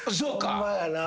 ホンマやな。